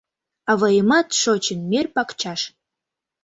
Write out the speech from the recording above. Аваемат шочын мӧр пакчаш.